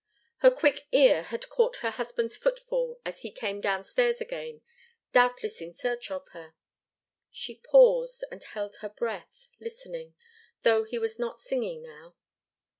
Her quick ear had caught her husband's footfall as he came downstairs again, doubtless in search of her. She paused, and held her breath, listening, though he was not singing now.